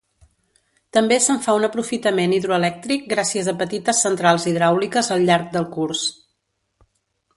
També se'n fa un aprofitament hidroelèctric gràcies a petites centrals hidràuliques al llarg del curs.